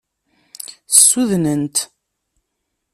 Ssudnen-t.